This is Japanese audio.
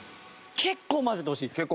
結構混ぜてほしいです。